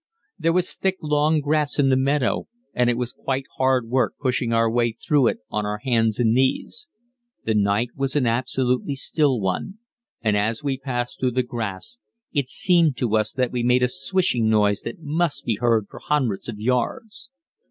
There was thick long grass in the meadow, and it was quite hard work pushing our way through it on our hands and knees. The night was an absolutely still one, and as we passed through the grass it seemed to us that we made a swishing noise that must be heard for hundreds of yards.